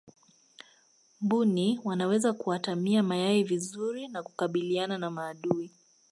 mbuni wanaweza kuatamia mayai vizuri na kukabiliana na maadui